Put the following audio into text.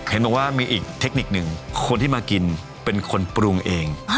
เห็นบอกว่ามีอีกเทคนิคหนึ่งคนที่มากินเป็นคนปรุงเอง